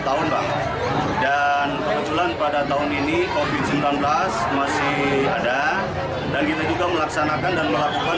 tahun bang dan kebetulan pada tahun ini covid sembilan belas masih ada dan kita juga melaksanakan dan melakukan